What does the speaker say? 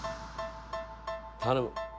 頼む。